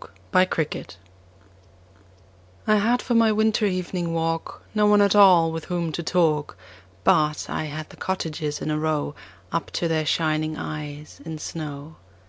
Good Hours I HAD for my winter evening walk No one at all with whom to talk, But I had the cottages in a row Up to their shining eyes in snow.